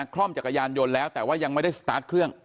คล่อมจักรยานยนต์แล้วแต่ว่ายังไม่ได้สตาร์ทเครื่อง